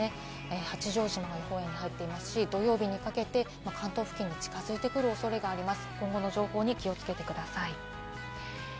八丈島が予報円に入ってますし、土曜日にかけて関東付近に近づいてくる恐れがあります。